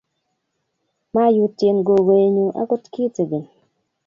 Mayutien gogoenyu akot kitigen